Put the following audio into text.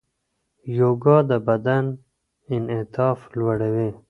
یوګا د بدن انعطاف لوړوي.